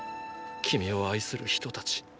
君を愛する人たち。